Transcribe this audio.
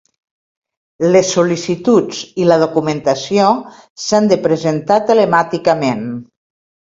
Les sol·licituds i la documentació s'han de presentar telemàticament.